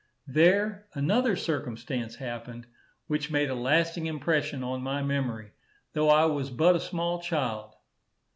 There another circumstance happened, which made a lasting impression on my memory, though I was but a small child.